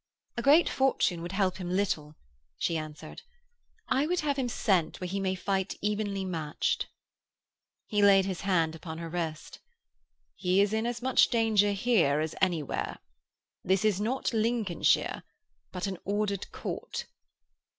'A great fortune would help him little,' she answered. 'I would have him sent where he may fight evenly matched.' He laid his hand upon her wrist. 'He is in as much danger here as anywhere. This is not Lincolnshire, but an ordered Court.'